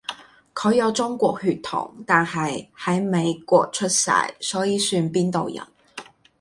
佢有中國血統，但係喺美國出世，所以算邊度人？